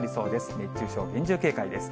熱中症、厳重警戒です。